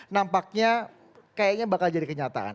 nampaknya kayaknya bakal jadi kenyataan